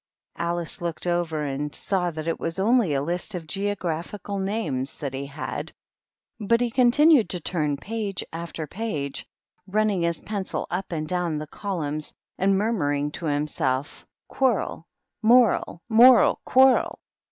Alice looked over a saw that it was only a list of geographical nan that he had ; but he continued to turn page a£ page, running his pencil up and down the colum and murmuring to himself, " Quarrel, mor moral, quarrel."